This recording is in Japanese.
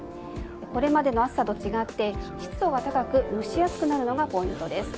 これまでの暑さと違って湿度は高く蒸し暑くなるのがポイントです。